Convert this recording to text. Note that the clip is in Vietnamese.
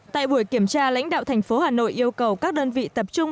tại buổi kiểm tra lãnh đạo thành phố hà nội yêu cầu các đơn vị tập trung